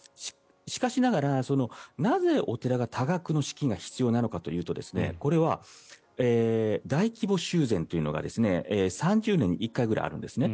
しかしながら、なぜお寺が多額の資金が必要かというとこれは大規模修繕というのが３０年に１回くらいあるんです。